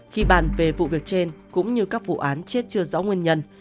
khi bàn về vụ việc trên cũng như các vụ án chết chưa rõ nguyên nhân